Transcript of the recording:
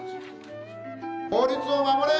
法律を守れ！